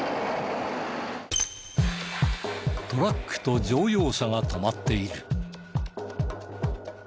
トラックと乗用車が止まっている。